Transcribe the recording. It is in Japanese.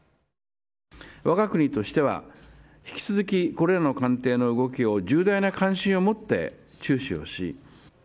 わが国としては、引き続きこれらの艦艇の動きを重大な関心を持って注視をし。